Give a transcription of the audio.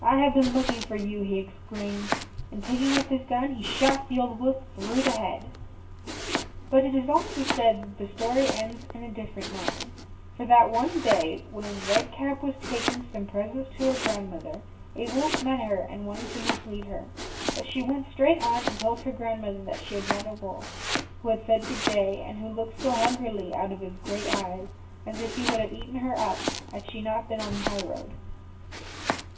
I have been looking for you," exclaimed he; and taking up his gun, he shot the old Wolf through the head. But it is also said that the story ends in a different manner; for that one day, when Red Cap was taking some presents to her grandmother, a Wolf met her, and wanted to mislead her; but she went straight on, and told her grandmother that she had met a Wolf, who said good day, and who looked so hungrily out of his great eyes, as if he would have eaten her up had she not been on the high road.